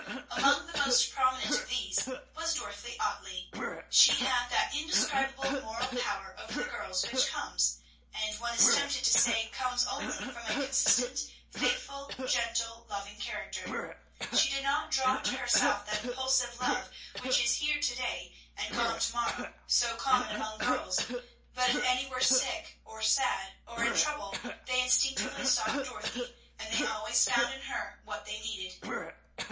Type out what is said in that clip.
Among the most prominent of these was Dorothy Ottley. She had that indescribable moral power over the girls which comes, and one is tempted to say comes only, from a consistent, faithful, gentle, loving character. She did not draw to herself that impulsive love which is here to day and gone to morrow, so common among girls; but if any were sad or sick or in trouble they instinctively sought Dorothy, and they always found in her what they needed.